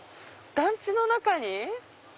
団地の中に？